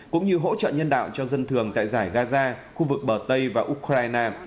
cũng như hỗ trợ nhân đạo cho dân thường tại giải gaza khu vực bờ tây và ukraine